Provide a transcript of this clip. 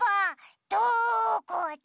どこだ？